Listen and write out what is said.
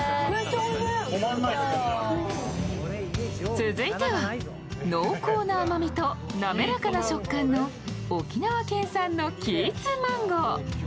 続いては、濃厚な甘みと滑らかな食感の沖縄県産のキーツマンゴー。